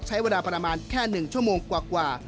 ใช้เวลาประมาณแค่๑ชั่วโมงกว่า